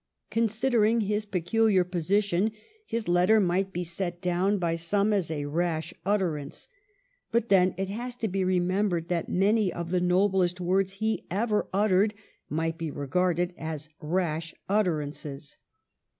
Con sidering his peculiar position, his letter might be set down by some as a rash utterance, but then it has to be remembered that many of the noblest words he ever uttered might be regarded as rash utterances.